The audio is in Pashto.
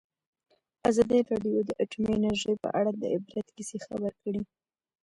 ازادي راډیو د اټومي انرژي په اړه د عبرت کیسې خبر کړي.